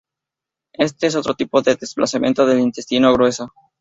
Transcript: Este es otro tipo de desplazamiento del intestino grueso.